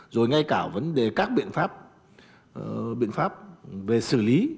rồi ngay cả vấn đề các biện pháp về xử lý